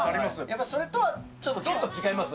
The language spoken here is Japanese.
やっぱりそれとはちょっと違ちょっと違います。